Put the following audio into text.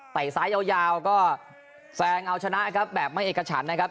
ซ้ายยาวก็แซงเอาชนะครับแบบไม่เอกฉันนะครับ